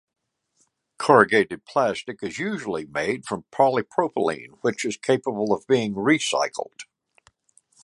Corrugated plastic is usually made from polypropylene which is capable of being recycled.